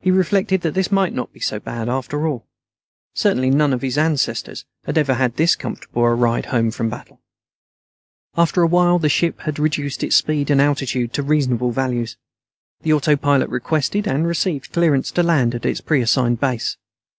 He reflected that this might not be so bad after all. Certainly none of his ancestors had ever had this comfortable a ride home from battle. After a while, the ship had reduced its speed and altitude to reasonable values. The autopilot requested, and received, clearance to land at its preassigned base.